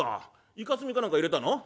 いか墨か何か入れたの？」。